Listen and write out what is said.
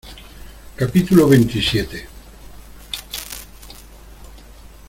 capítulo veintisiete.